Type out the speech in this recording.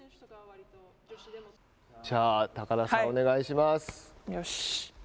じゃあ、高田さん、お願いします。